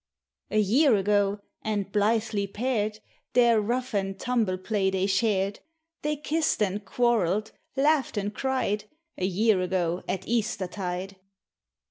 A year ago, and blithely paired, Their rough and tumble play they shared; They kissed and quarrelled, laughed and cried, A year ago at Eastertide.